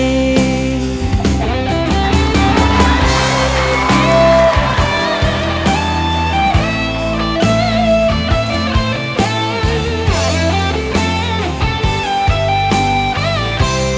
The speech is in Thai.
เงียบเต่อพูดกับแม่นว่าแค่อยากสีว้า